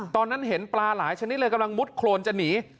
ตอนนั้นเห็นปลาหลายชนิดเลยกำลังมุดโครนจะหนี